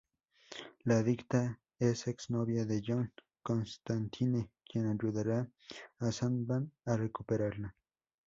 La adicta es ex-novia de John Constantine, quien ayudará a Sandman a recuperarla.